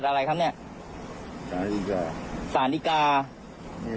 อยู่ที่ไหนครับป่าอยู่ที่ไหนครับสั่งกัดอะไรครับเนี่ยสารดีกาสารดีกา